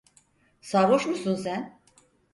Sarhoş musun sen?